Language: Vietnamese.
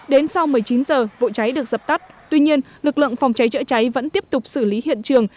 đến sau một mươi chín giờ vụ cháy được dập tắt tuy nhiên lực lượng phòng cháy chữa cháy vẫn tiếp tục xử lý hiện trường